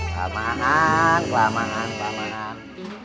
kelamaan kelamaan kelamaan